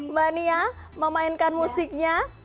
mbak nia memainkan musiknya